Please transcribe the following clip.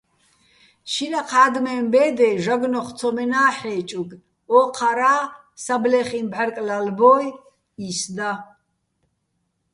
შინაჴ ადმეჼ ბე́დეჼ ჟაგნო́ხ ცომენა́ ჰ̦ე́ჭუგე̆, ო́ჴარა́, საბლეხიჼ ბჵარკ ლალბო́ჲ, ის და.